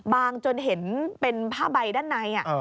จนเห็นเป็นผ้าใบด้านใน